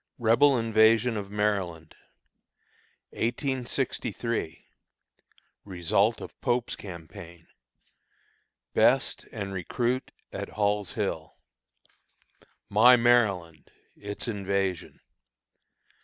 REBEL INVASION OF MARYLAND 1863. Result of Pope's Campaign. Best and Recruit at Hall's Hill. "My Maryland:" Its Invasion.